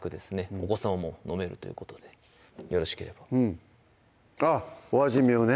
お子さまも飲めるということでよろしければあっお味見をね